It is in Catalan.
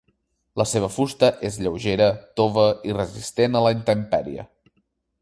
La seva fusta és lleugera, tova i resistent a la intempèrie.